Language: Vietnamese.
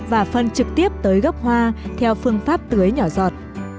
và phân trực tiếp tới gốc hoa theo phương pháp tưới nhỏ giọt